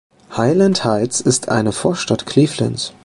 Highland Heights ist eine Vorstadt Clevelands.